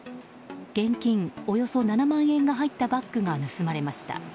現金およそ７万円が入ったバッグが盗まれました。